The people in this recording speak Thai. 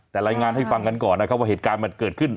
แต่รายงานให้ฟังกันก่อนนะครับว่าเหตุการณ์มันเกิดขึ้น